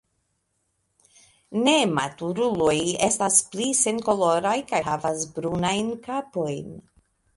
Nematuruloj estas pli senkoloraj kaj havas brunajn kapojn.